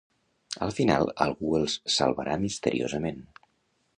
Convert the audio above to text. Al final algú els salvarà misteriosament.